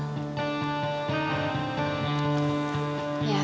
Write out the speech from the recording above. ini hidup aja